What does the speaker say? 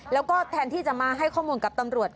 แล้วก็แทนที่จะมาให้ข้อมูลกับตำรวจ